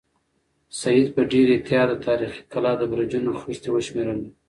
سعید په ډېر احتیاط د تاریخي کلا د برجونو خښتې وشمېرلې.